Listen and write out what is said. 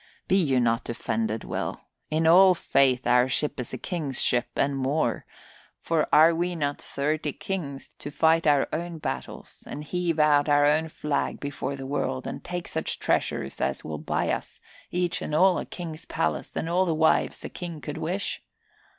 Be you not offended, Will. In all faith our ship is a king's ship and more, for are we not thirty kings, to fight our own battles and heave out our own flag before the world and take such treasures as will buy us, each and all, a king's palace and all the wives a king could wish?